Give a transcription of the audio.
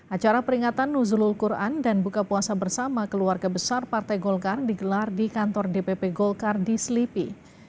acara peringatan nuzulul quran dan buka puasa bersama keluarga besar partai golkar digelar di kantor dpp golkar di selipi